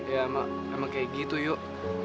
ya emang kayak gitu yuk